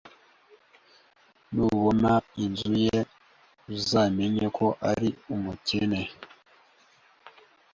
Nubona inzu ye, uzamenye ko ari umukene.